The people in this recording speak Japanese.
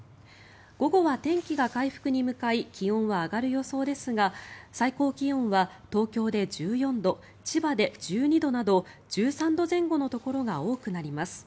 午後は天気が回復に向かい気温は上がる予想ですが最高気温は東京で１４度千葉で１２度など１３度前後のところが多くなります。